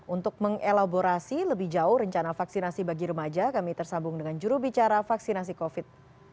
untuk mengelaborasi lebih jauh rencana vaksinasi bagi remaja kami tersambung dengan jurubicara vaksinasi covid sembilan belas